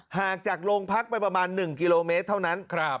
ห่างจากโรงพักไปประมาณ๑กิโลเมตรเท่านั้น